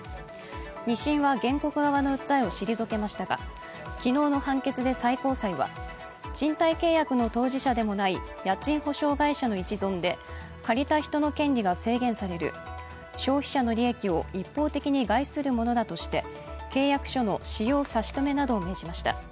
二審は原告側の訴えを退けましたが昨日の判決で最高裁は賃貸契約の当事者でもない家賃保証会社の一存で、借りた人の権利が制限される、消費者の利益を一方的に害するものだとして契約書の使用差し止めなどを命じました。